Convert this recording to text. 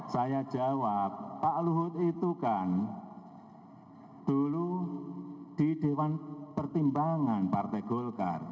saya jawab pak luhut itu kan dulu di dewan pertimbangan partai golkar